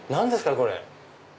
これ。